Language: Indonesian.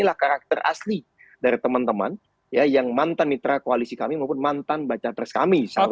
ini lah karakter asli dari teman teman ya yang mantan mitra koalisi kami maupun mantan baca pres kami